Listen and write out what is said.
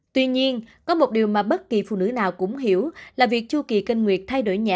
tuy nhiên có một điều mà bất kỳ phụ nữ nào cũng hiểu là việc chu kỳ kinh nguyệt thay đổi nhẹ